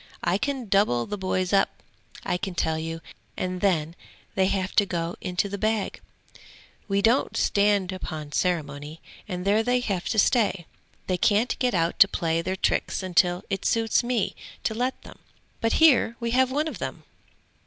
I can double the boys up, I can tell you, and then they have to go into the bag; we don't stand upon ceremony, and there they have to stay; they can't get out to play their tricks till it suits me to let them. But here we have one of them.'